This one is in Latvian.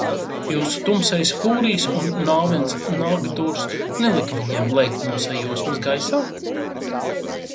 Jūsu Tumsejs Fūrijs un Nāvens Nagdurs nelika viņiem lēkt no sajūsmas gaisā?